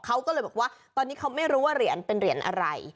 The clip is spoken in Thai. เขาก็เลยบอกว่าตอนนี้เขาไม่รู้ว่าเหรียญเป็นเหรียญอะไร